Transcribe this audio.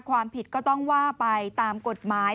ความผิดก็ต้องว่าไปตามกฎหมาย